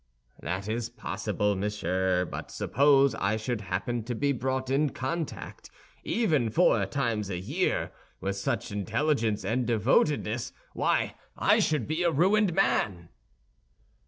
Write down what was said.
"That is possible, monsieur; but suppose I should happen to be brought in contact, even four times a year, with such intelligence and devotedness—why, I should be a ruined man!"